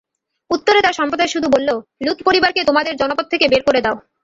উত্তরে তার সম্প্রদায় শুধু বলল, লূত পরিবারকে তোমাদের জনপদ থেকে বের করে দাও।